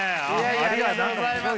ありがとうございます。